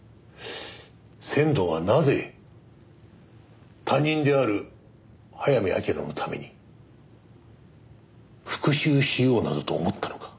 仙堂はなぜ他人である早見明のために復讐しようなどと思ったのか？